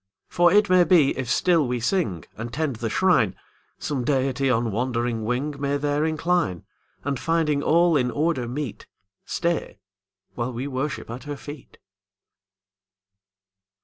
"For it may be, if still we sing And tend the Shrine, Some Deity on wandering wing May there incline; And, finding all in order meet, Stay while we worship at Her feet."